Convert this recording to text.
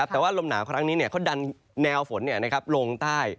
แต่ว่าลมหนาวครั้งนี้เขาดันแนวฝนลงใต้